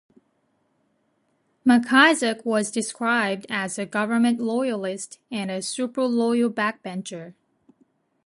McIsaac was described as a 'government loyalist' and a "super loyal backbencher".